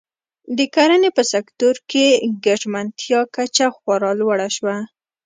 د کرنې په سکتور کې ګټمنتیا کچه خورا لوړه شوه.